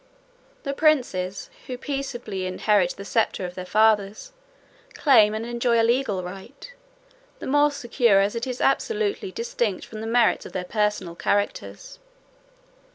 The princes who peaceably inherit the sceptre of their fathers, claim and enjoy a legal right, the more secure as it is absolutely distinct from the merits of their personal characters.